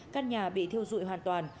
căn nhà bị thiêu dụi hoàn toàn